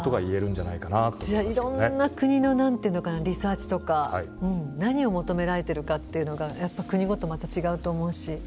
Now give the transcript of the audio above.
じゃあいろんな国のリサーチとか何を求められてるかっていうのがやっぱ国ごとまた違うと思うし。